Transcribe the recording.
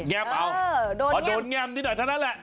แบมเอาพอโดนแง่มนิดหน่อยเท่านั้นแหละ